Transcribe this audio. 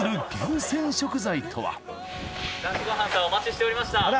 お待ちしておりました。